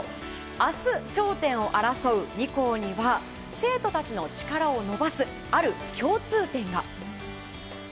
明日、頂点を争う２校には生徒たちの力を伸ばすある共通点が。